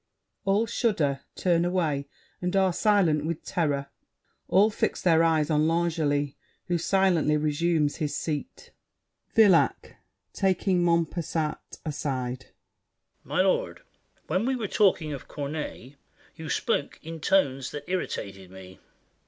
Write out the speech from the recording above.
[All shudder: turn away, and are silent with terror; all fix their eyes on L'Angely, who silently resumes his seat. VILLAC (taking Montpesat aside). My lord, when we were talking of Corneille, You spoke in tones that irritated me.